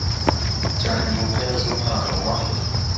cyane mu mpera z umwaka wa